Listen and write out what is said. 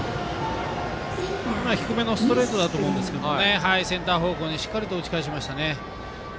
低めのストレートだと思いますが、センター方向にしっかりと打ち返しましたね。